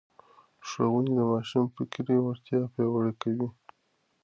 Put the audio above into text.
ښوونې د ماشوم فکري وړتیا پياوړې کوي.